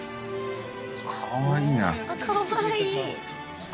かわいいな。